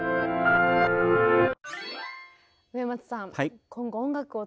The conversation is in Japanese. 植松さん